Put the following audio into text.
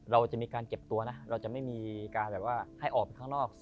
เราจะมีการเก็บตัวนะเราจะไม่มีการแบบว่าให้ออกไปข้างนอก